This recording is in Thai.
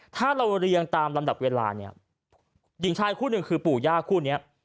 ถ้าเราเรียงตามลำดับเวลาเนี่ยหญิงชายคู่หนึ่งคือปู่ย่าคู่นี้